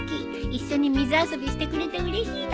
一緒に水遊びしてくれてうれしいな。